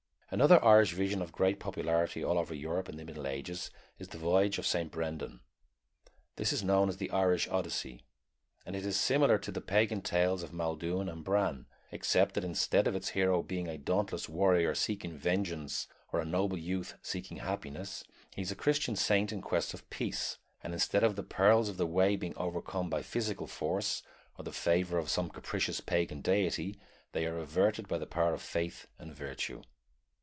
Another Irish vision of great popularity all over Europe in the Middle Ages is the Voyage of Saint Brendan. This is known as the Irish Odyssey, and it is similar to the pagan tales of Maelduin and Bran, except that instead of its hero being a dauntless warrior seeking vengeance or a noble youth seeking happiness, he is a Christian saint in quest of peace; and instead of the perils of the way being overcome by physical force or the favor of some capricious pagan deity, they are averted by the power of faith and virtue.